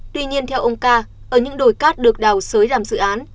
tuy nhiên theo ông ca ở những đồi cát được đào sới làm dự án